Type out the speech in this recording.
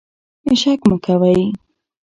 شک مه کوئ.